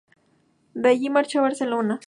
De allí marchó a Barcelona.